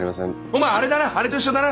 お前あれだなあれと一緒だな。